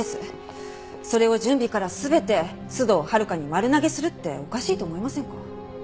それを準備から全て須藤温香に丸投げするっておかしいと思いませんか？